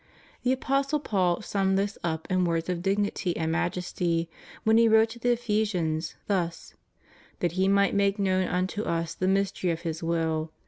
The Apostle Paul summed this up in words of dignity and majesty when he wrote to the Ephesians, thus: That He might make knovm unto us the mystery of His will